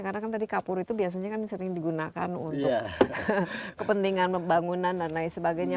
karena tadi kapur itu biasanya kan sering digunakan untuk kepentingan pembangunan dan lain sebagainya